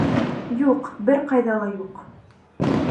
Юҡ, бер ҡайҙа ла юҡ!